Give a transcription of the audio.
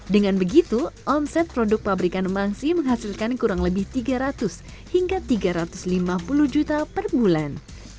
dengan begitu omset produk pabrikan mangsi menghasilkan kurang lebih tiga ratus hingga tiga ratus lima puluh juta per bulan